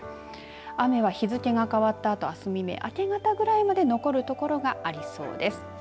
雨は日付が変わったあとあす未明、明け方ぐらいまで残る所がありそうです。